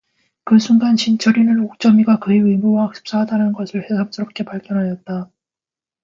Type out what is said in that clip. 그 순간 신철이는 옥점이가 그의 의모와 흡사하다는 것을 새삼스럽게 발견하였다.